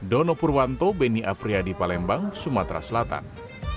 dono purwanto beni apriyadi palembang sumatera selatan